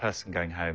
はい。